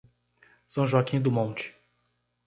São Joaquim do Monte